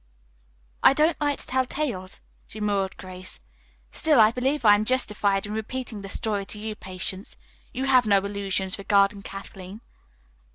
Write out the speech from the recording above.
"I don't like to tell tales," demurred Grace. "Still, I believe I am justified in repeating the story to you, Patience. You have no illusions regarding Kathleen."